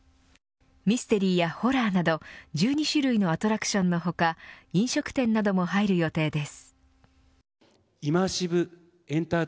ミステリーやホラーなど１２種類のアトラクションの他飲食店なども入る予定です。